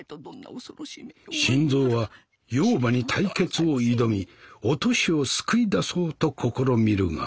新蔵は妖婆に対決を挑みお敏を救い出そうと試みるが。